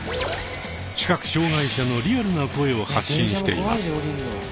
視覚障害者のリアルな声を発信しています。